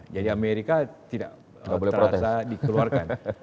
jadi amerika tidak terasa dikeluarkan